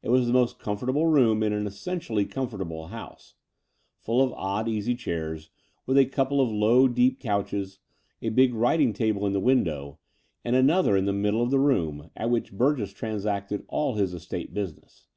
It was the most comfortable room in an essentially comfortable house, full of odd easy chairs, with a couple of low deep couches, a big writing table in the window, and another in the middle of the room, at which Burgess transacted all his estate business.